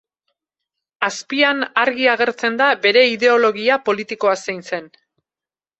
Azpian argi agertzen da bere ideologia politikoa zein zen.